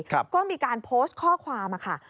ก็มีการโพสต์ข้อความค่ะ